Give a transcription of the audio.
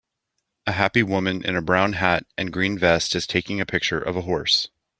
A happy woman in a brown hat and green vest is taking a picture of a horse.